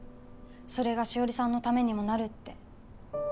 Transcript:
それが紫織さんのためにもなるって。